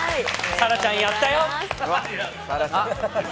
沙羅ちゃん、やったよ！